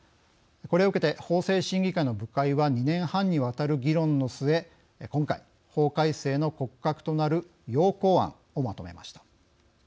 これを受けて法制審議会の部会は２年半にわたる議論の末今回法改正の骨格となる要綱案をまとめました。